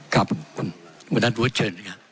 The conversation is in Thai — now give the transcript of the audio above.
ครับคุณท่านวุฒิเชิญ